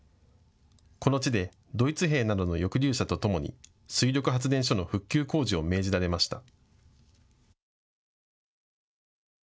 この地でドイツ兵などの抑留者とともに水力発電所の復旧工事を命じられました。